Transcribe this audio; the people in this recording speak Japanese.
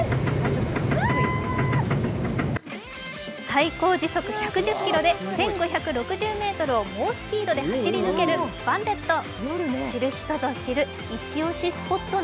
最高時速１１０キロで１５６０ｍを猛スピードで走り抜けるバンデット。